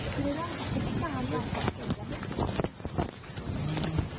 หรือว่าคำพิการเนี่ย